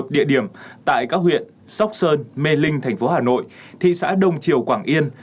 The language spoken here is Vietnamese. một mươi một địa điểm tại các huyện sóc sơn mê linh tp hà nội thị xã đồng triều quảng yên